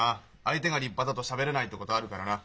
相手が立派だとしゃべれないってことあるからな。